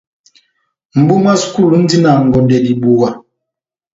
Mʼbu mwá sukulu múndi na ngondɛ dibuwa.